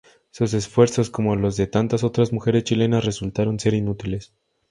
Sus esfuerzos, como los de tantas otras mujeres chilenas, resultaron ser inútiles.